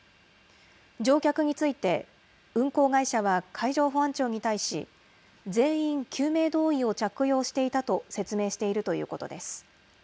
乗客について、運航会社は海上保安庁に対し、全員救命胴衣を着用していたと説明しているということです。